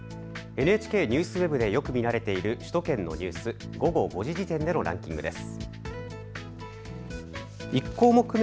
ＮＨＫＮＥＷＳＷＥＢでよく見られている首都圏のニュース、午後５時時点でのランキングです。